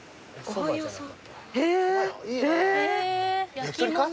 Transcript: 焼き鳥か？